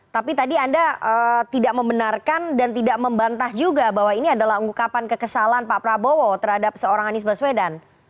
tapi tadi anda tidak membenarkan dan tidak membantah juga bahwa ini adalah ungkapan kekesalan pak prabowo terhadap seorang anies baswedan